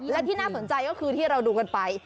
และที่น่าสนใจก็คือที่เราดูกันที่เราดูกันไป